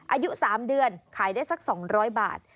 อายุ๓เดือนขายได้สัก๒๐๐บาท